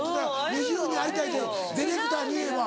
ＮｉｚｉＵに会いたいってディレクターに言えば。